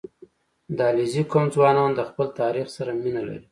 • د علیزي قوم ځوانان د خپل تاریخ سره مینه لري.